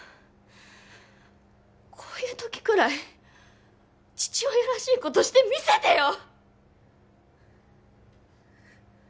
こういう時くらい父親らしいことしてみせてよ！